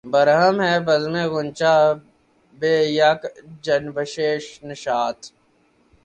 برہم ہے بزمِ غنچہ بہ یک جنبشِ نشاط